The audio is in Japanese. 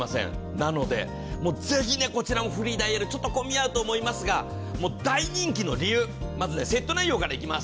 なので、ぜひこちらもフリーダイヤルちょっと混み合うと思いますが大人気の理由、まずセット内容からいきます。